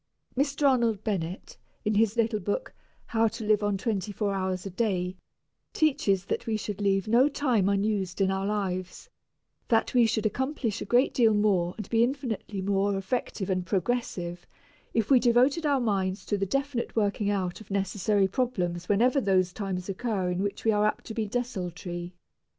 Mr. Arnold Bennett, in his little book, "How to Live on Twenty four Hours a Day," teaches that we should leave no time unused in our lives; that we should accomplish a great deal more and be infinitely more effective and progressive if we devoted our minds to the definite working out of necessary problems whenever those times occur in which we are apt to be desultory.